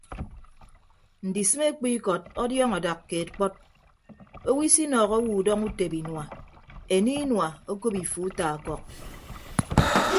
Ndisịme ekpu ikọt ọdiọọñọ adak keed kpọt owo isinọọhọ owo udọñọ utebe inua enie inua okop ifu uta ọkọk.